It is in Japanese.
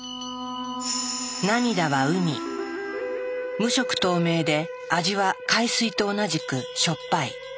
無色透明で味は海水と同じくしょっぱい。